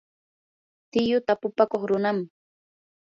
tiyuu tapupakuq runam.